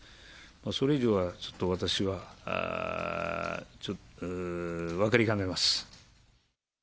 それ以上はちょっと私は分かりかねます。